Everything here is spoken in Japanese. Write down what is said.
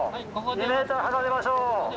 ２ｍ離れましょう！